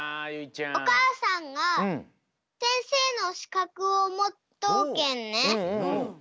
おかあさんがせんせいのしかくをもっとうけんね